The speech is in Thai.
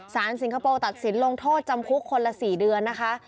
สิงคโปร์ตัดสินลงโทษจำคุกคนละ๔เดือนนะคะ